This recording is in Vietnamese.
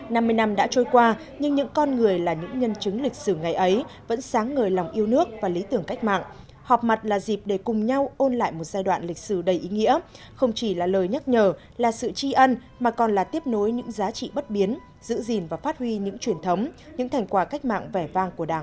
năm mươi năm đã trôi qua nhưng những con người là những nhân chứng lịch sử ngày ấy vẫn sáng ngời lòng yêu nước và lý tưởng cách mạng họp mặt là dịp để cùng nhau ôn lại một giai đoạn lịch sử đầy ý nghĩa không chỉ là lời nhắc nhở là sự tri ân mà còn là tiếp nối những giá trị bất biến giữ gìn và phát huy những truyền thống những thành quả cách mạng vẻ vang của đảng